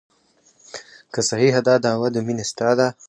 که صحیحه دا دعوه د مینې ستا ده.